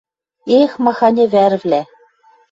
Эх, маханьы вӓрвлӓ!